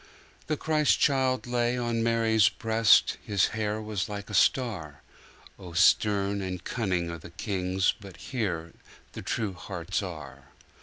2. The Christ child lay on Mary's breast, His hair was like a star.(O stern and cunning are the kings, But here the true hearts are.)